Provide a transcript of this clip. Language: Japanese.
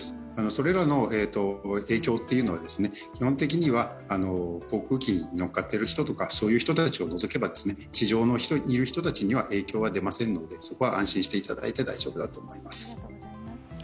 それらの影響というのは基本的には航空機に乗っかっている人とかそういう人たちを除けば地上にいる人たちには影響が出ませんのでそこは安心していただいて大丈夫だと思います。